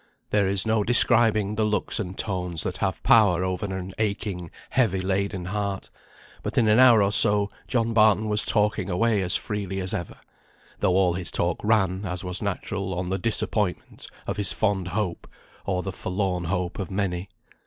There is no describing the looks and tones that have power over an aching, heavy laden heart; but in an hour or so John Barton was talking away as freely as ever, though all his talk ran, as was natural, on the disappointment of his fond hope, of the forlorn hope of many.